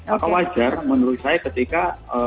maka wajar menurut saya ketika